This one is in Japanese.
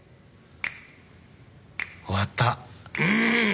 終わった。